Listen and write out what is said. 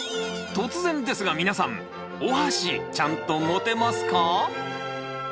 突然ですが皆さん！おはしちゃんと持てますか？